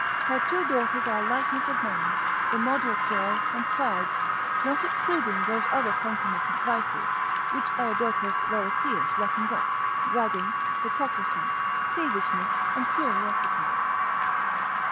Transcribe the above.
Her two daughters are lightness of mind, immoderate joy and pride, not excluding those other concomitant vices, which Iodocus Lorichius reckons up; bragging, hypocrisy, peevishness, and curiosity.